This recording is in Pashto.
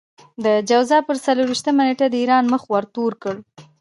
د جوزا پر څلور وېشتمه نېټه د ايران مخ ورتور کړئ.